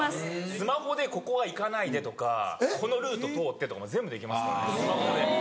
スマホで「ここは行かないで」とか「このルート通って」とかも全部できますからねスマホで。